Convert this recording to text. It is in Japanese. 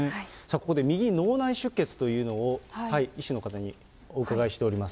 ここで右脳内出血というのを医師の方にお伺いしております。